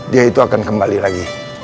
dia itu akan kembali lagi